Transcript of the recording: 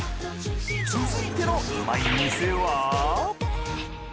続いてのうまい店は？